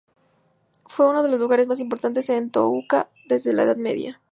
Fue uno de los lugares más importantes en Tohoku desde la Edad Media.